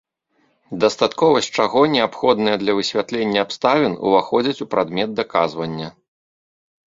Дастатковасць чаго неабходная для высвятлення абставін уваходзяць у прадмет даказвання.